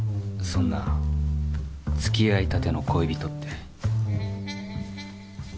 そんなつきあいたての恋人って